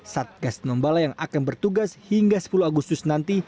satgas tinombala yang akan bertugas hingga sepuluh agustus nanti